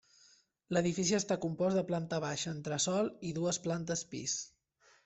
L’edifici està compost de planta baixa, entresòl i dues plantes pis.